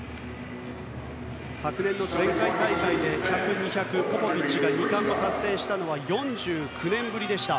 昨年の前回大会で１００、２００でポポビッチが２冠を達成したのは４９年ぶりでした。